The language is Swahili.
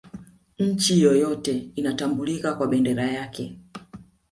nchi yoyote inatambulika kwa bendera yake